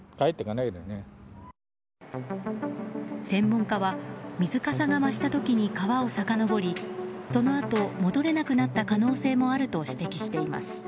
専門家は、水かさが増した時に川をさかのぼりそのあと戻れなくなった可能性もあると指摘しています。